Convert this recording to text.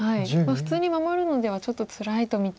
普通に守るのではちょっとつらいと見て。